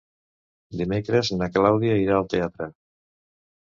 Dimecres na Clàudia irà al teatre.